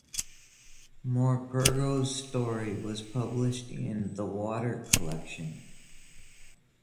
Morpurgo's story was published in the "Water" collection.